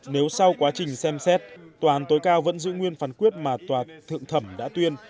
nếu sau quá trình xem xét tòa án tối cao vẫn giữ nguyên phán quyết mà tòa thượng thẩm đã tuyên